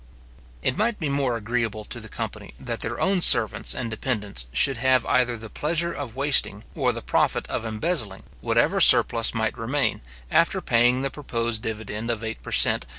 It might be more agreeable to the company, that their own servants and dependants should have either the pleasure of wasting, or the profit of embezzling, whatever surplus might remain, after paying the proposed dividend of eight per cent.